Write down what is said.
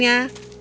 tidak tidak ada